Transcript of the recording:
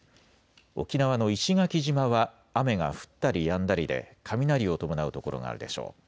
沖縄の石垣島は雨が降ったりやんだりで雷を伴う所があるでしょう。